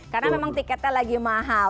karena memang tiketnya lagi mahal